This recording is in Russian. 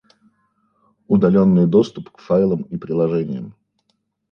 Удаленный доступ к файлам и приложениям